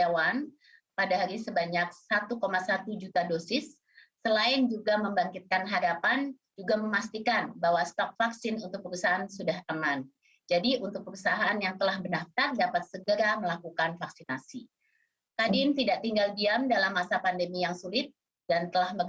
wassalamualaikum warahmatullahi wabarakatuh